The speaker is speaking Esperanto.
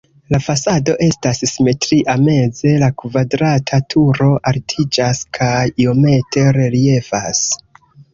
La fasado estas simetria, meze la kvadrata turo altiĝas kaj iomete reliefas.